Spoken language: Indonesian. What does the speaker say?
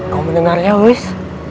kau mendengarnya ois